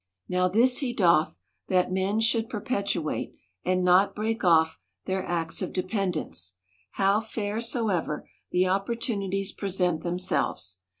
Now this he doth, that men should perpetuate, and not break off, their acts of dependence ; how fair soever the opportu nities present themselves.